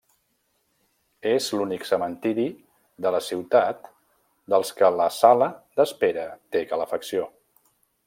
És l'únic cementiri de la ciutat dels que la sala d'espera té calefacció.